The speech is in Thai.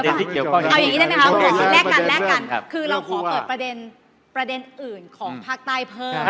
หนึ่งนาทีจบเลย